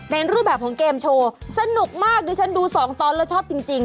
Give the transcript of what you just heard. รูปแบบของเกมโชว์สนุกมากดิฉันดูสองตอนแล้วชอบจริง